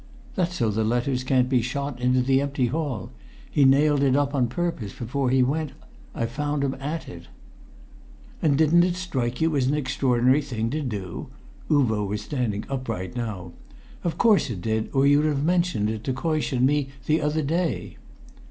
"That's so that letters can't be shot into the empty hall. He nailed it up on purpose before he went. I found him at it." "And didn't it strike you as an extraordinary thing to do?" Uvo was standing upright now. "Of course it did, or you'd have mentioned it to Coysh and me the other day."